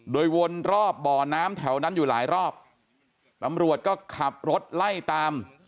โดยวนรอบบ่อน้ำแถวนั้นอยู่หลายรอบตำรวจก็ขับรถไล่ตาม